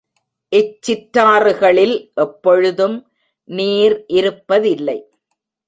இச் சிற்றாறுகளில் எப்பொழுதும் நீர் இருப்பதில்லை.